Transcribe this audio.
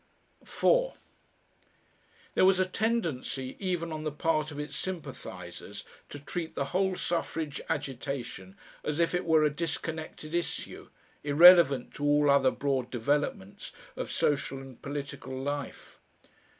4 There was a tendency, even on the part of its sympathisers, to treat the whole suffrage agitation as if it were a disconnected issue, irrelevant to all other broad developments of social and political life.